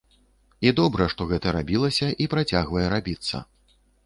І добра, што гэта рабілася і працягвае рабіцца.